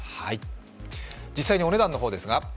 実際にお値段の方ですが。